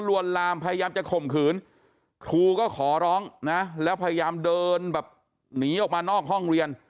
วนลามพยายามจะข่มขืนครูก็ขอร้องนะแล้วพยายามเดินแบบหนีออกมานอกห้องเรียน